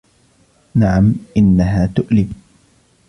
نعم, انها تؤلم.